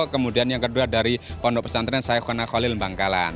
kemudian yang kedua dari pondok pesantren sayakona kholil bangkalan